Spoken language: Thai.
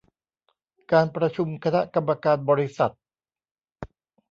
การประชุมคณะกรรมการบริหาร